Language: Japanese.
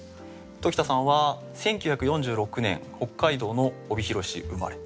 時田さんは１９４６年北海道の帯広市生まれ。